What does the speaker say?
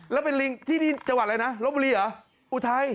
แล้วเป็นลิงที่จังหวัดอะไรนะลบบุรีเหรออุทัย